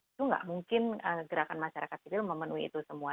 itu nggak mungkin gerakan masyarakat sipil memenuhi itu semua